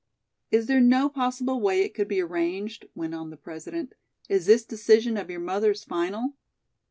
"Is there no possible way it could be arranged?" went on the President. "Is this decision of your mother's final?"